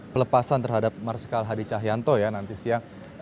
pelepasan terhadap marsikal hadi cahyanto ya nanti siang